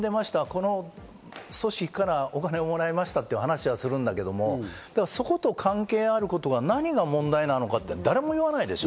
この組織からお金をもらいましたという話はするんだけど、そこと関係があることが何が問題なのか誰も言わない。